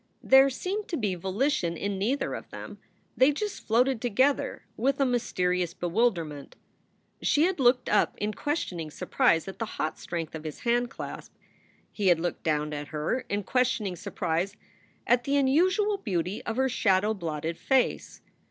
There seemed to be volition in neither of them; they just floated together with a mysterious bewilderment. She had looked up in questioning surprise at the hot strength of his handclasp. He had looked down at her in questioning surprise at the unusual beauty of her shadow blotted face.